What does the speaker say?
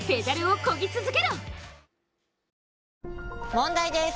問題です！